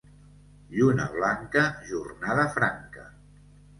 Lluna blanca, jornada franca.